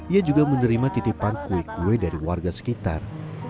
ia juga menerima titipan kue kue dari warga sekitar